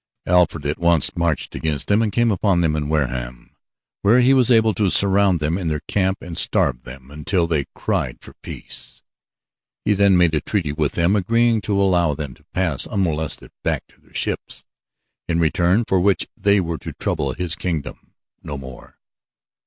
Alfred at once marched against them and came upon them in Wareham, where he was able to surround them in their camp and starve them until they cried for peace. He then made a treaty with them agreeing to allow them to pass unmolested back to their ships in return for which they were to trouble his kingdom no more.